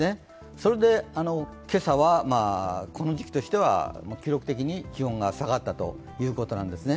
それで今朝はこの時期としては記録的に気温が下がったということなんですね。